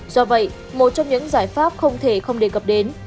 do vậy một trong những giải pháp không thể không đề cập đến